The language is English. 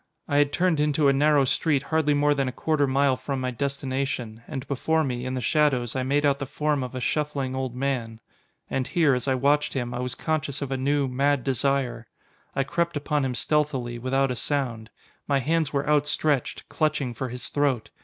I had turned into a narrow street hardly more than a quarter mile from my destination; and before me, in the shadows, I made out the form of a shuffling old man. And here, as I watched him, I was conscious of a new, mad desire. I crept upon him stealthily, without a sound. My hands were outstretched, clutching, for his throat.